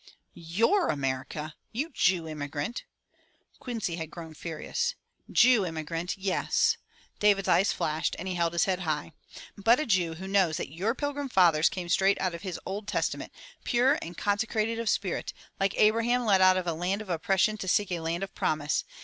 '*Your America! You Jew immigrant." Quincy had grown furious. "Jew immigrant, yes." David's eyes flashed and he held his head high. '*But a Jew who knows that your Pilgrim fathers came straight out of his Old Testament, pure and consecrated of spirit, like Abraham led out of a land of oppression to seek a land of promise.